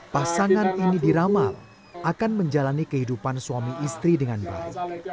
pasangan ini diramal akan menjalani kehidupan suami istri dengan baik